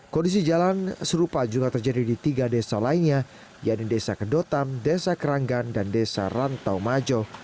kondisi jalan serupa juga terjadi di tiga desa lainnya yaitu desa kedotam desa keranggan dan desa rantau majo